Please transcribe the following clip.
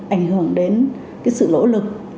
ảnh hưởng đến sự lỗ lực